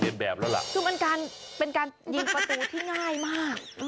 แบบแล้วล่ะคือมันการเป็นการยิงประตูที่ง่ายมาก